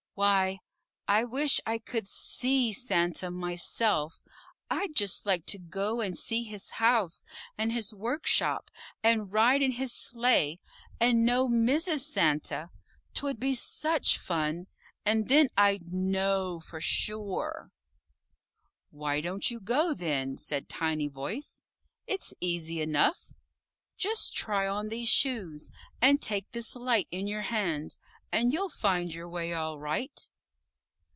"Why, I wish I could SEE Santa myself. I'd just like to go and see his house and his workshop, and ride in his sleigh, and know Mrs. Santa 'twould be such fun, and then I'd KNOW for sure." "Why don't you go, then?" said Tiny Voice. "It's easy enough. Just try on these Shoes, and take this Light in your hand, and you'll find your way all right."